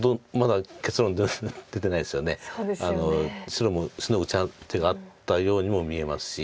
白もシノぐ手があったようにも見えますし。